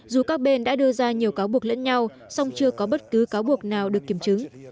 dù các bên đã đưa ra nhiều cáo buộc lẫn nhau song chưa có bất cứ cáo buộc nào được kiểm chứng